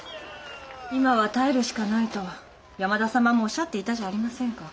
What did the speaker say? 今は耐えるしかないと山田様もおっしゃっていたじゃありませんか。